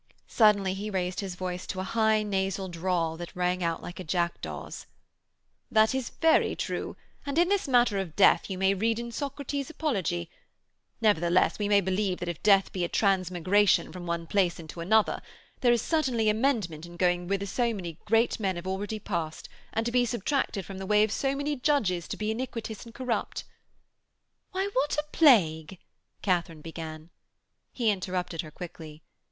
Suddenly he raised his voice to a high nasal drawl that rang out like a jackdaw's: 'That is very true; and, in this matter of Death you may read in Socrates' Apology. Nevertheless we may believe that if Death be a transmigration from one place into another, there is certainly amendment in going whither so many great men have already passed, and to be subtracted from the way of so many judges that be iniquitous and corrupt.' 'Why, what a plague....' Katharine began. He interrupted her quickly.